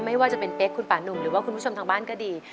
ไม่ว่าจะเป็นเป๊กคุณป่านุ่มหรือว่าคุณผู้ชมทางบ้านก็ดี